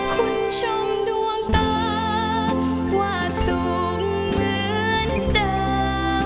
คุณชมดวงตาว่าสูงเหมือนดาว